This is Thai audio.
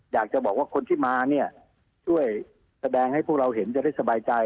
อยากจะบอกว่าคนที่มาเนี่ยช่วยแสดงให้พวกเราเห็นจะได้สบายใจ